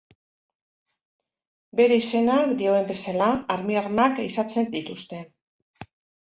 Bere izenak dioen bezala armiarmak ehizatzen dituzte.